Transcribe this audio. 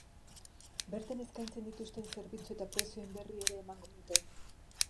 Bertan eskaintzen dituzten zerbitzu eta prezioen berri ere emango dute.